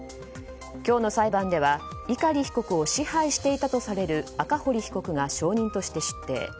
今日の裁判では碇被告を支配していたとされる赤堀被告が証人として出廷。